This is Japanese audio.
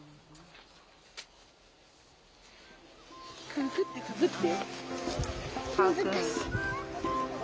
くぐって、くぐって。